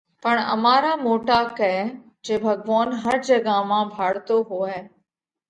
پڻ امارا موٽا ڪئه جي ڀڳوونَ هر جڳا مانه ڀاۯتو هووئه